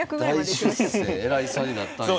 偉いさんになったんや。